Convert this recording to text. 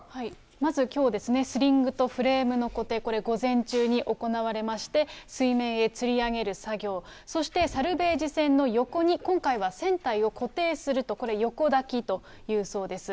まずきょうですね、スリングとフレームの固定、これ、午前中に行われまして、水面へつり上げる作業、そしてサルベージ船の横に今回は船体を固定すると、これ横抱きというそうです。